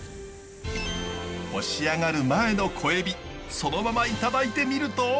干し上がる前の小エビそのままいただいてみると。